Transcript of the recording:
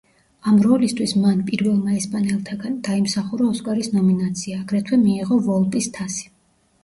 ამ როლისთვის მან, პირველმა ესპანელთაგან, დაიმსახურა ოსკარის ნომინაცია, აგრეთვე მიიღო ვოლპის თასი.